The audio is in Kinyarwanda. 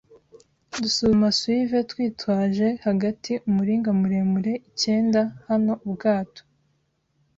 dusuzuma swivel twitwaje hagati, umuringa muremure icyenda, “Hano, ubwato